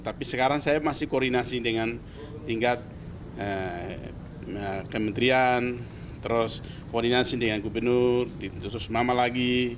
tapi sekarang saya masih koordinasi dengan tingkat kementerian terus koordinasi dengan gubernur terus mama lagi